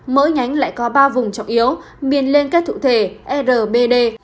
mỗi nhánh lại có ba vùng trọng yếu miền liên kết thụ thể rbd